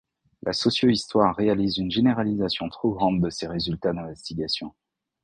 La socio-histoire réalise une généralisation trop grande de ses résultats d’investigation.